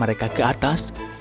mereka ke atas